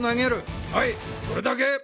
はいそれだけ！